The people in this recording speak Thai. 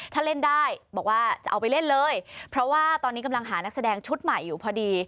ถ้าเล่นได้บอกว่าจะเอาไปเล่นเลยเพราะว่าตอนนี้กำลังหานักแสดงชุดใหม่อยู่พอดี